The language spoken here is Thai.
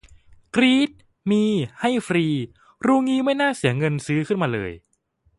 กรี๊ด มี ให้ฟรี รู้งี้ไม่น่าเสียเงินซื้อขึ้นมาเลย